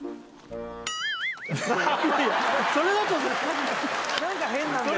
いやいやそれだと何か変なんだよな